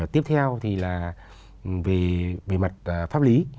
tiếp theo thì là về mặt pháp lý